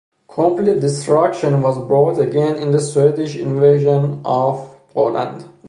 Complete destruction was brought again in the Swedish invasion of Poland.